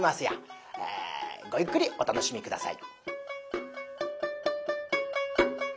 ごゆっくりお楽しみ下さい。